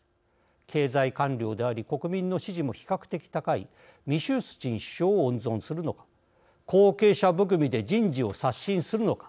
経済官僚であり、国民の支持も比較的高いミシュースチン首相を温存するのか、後継者含みで人事を刷新するのか。